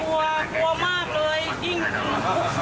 กลัวกลัวมากเลย